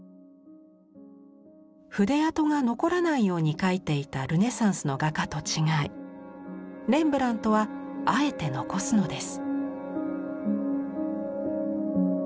筆跡が残らないように描いていたルネサンスの画家と違いレンブラントはあえて残すのです。